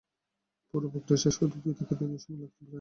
পুরো প্রক্রিয়া শেষ হতে দুই থেকে তিন দিন সময় লাগতে পারে।